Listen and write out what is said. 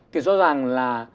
thì rõ ràng là